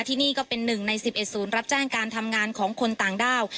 ที่นี่ก็เป็นหนึ่งใน๑๑ศูนย์รับแจ้งการทำงานของคนต่างด้าว